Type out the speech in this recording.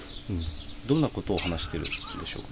どんなことを話しているんでしょうか。